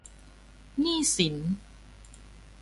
หนี้สิน